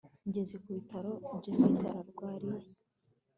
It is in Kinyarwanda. ngeze kubitaro japhet arwariye